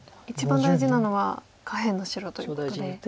一番大事なのは下辺の白ということで。